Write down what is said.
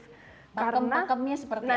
pakem pakemnya seperti apa